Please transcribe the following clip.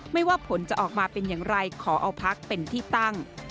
ไม่ว่าผลจะออกมาเป็นอย่างไรขอเอาพักเป็นที่ตั้ง